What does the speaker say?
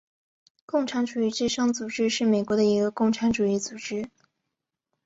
共产主义之声组织是美国的一个共产主义组织。